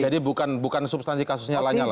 jadi bukan substansi kasus nyala nyala